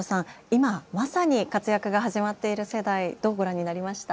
今まさに活躍が始まっている世代どうご覧になりました？